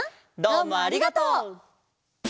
どうもありがとう。